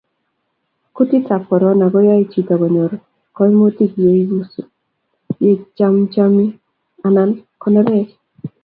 Kutikab Korona koyae chito konyor koimutik ye ibusu, ye chamchami anan konerech